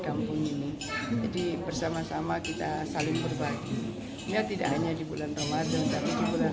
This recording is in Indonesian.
kampung ini jadi bersama sama kita saling berbagi ya tidak hanya di bulan ramadhan tapi di bulan